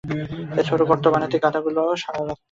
এই ছোট্ট গর্ত বানাতেই গাধাগুলো সারা রাত লাগিয়েছিল?